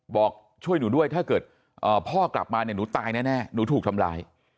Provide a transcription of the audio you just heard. บอกช่วยหนูด้วยถ้าเกิดพ่อกลับมาเนี่ยหนูตายแน่หนูถูกทำร้าย